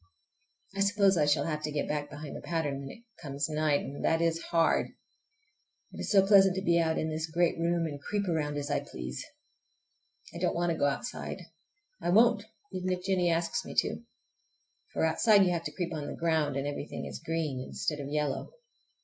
I suppose I shall have to get back behind the pattern when it comes night, and that is hard! It is so pleasant to be out in this great room and creep around as I please! I don't want to go outside. I won't, even if Jennie asks me to. For outside you have to creep on the ground, and everything is green instead of yellow.